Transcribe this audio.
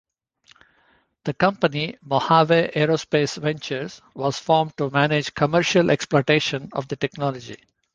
The company Mojave Aerospace Ventures was formed to manage commercial exploitation of the technology.